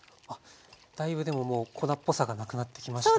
だいぶでももう粉っぽさがなくなってきましたね。